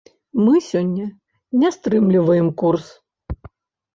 Мы сёння не стрымліваем курс.